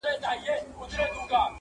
آسمانه اوس خو اهریمن د قهر!